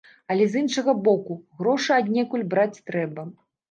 Але з іншага боку, грошы аднекуль браць трэба.